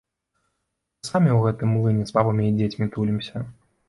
Мы самі ў гэтым млыне з бабамі і дзецьмі тулімся.